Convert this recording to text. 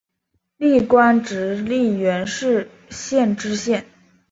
历官直隶元氏县知县。